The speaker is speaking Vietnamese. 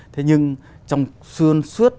thế nhưng trong suôn suốt